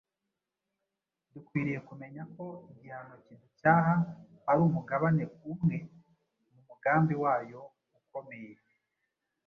Dukwiriye kumenya ko igihano kiducyaha ari umugabane umwe mu mugambi wayo ukomeye